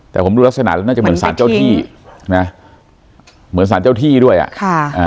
แต่ผมดูลักษณะน่าจะเหมือนศาลเจ้าที่เหมือนศาลเจ้าที่ด้วยอ่ะ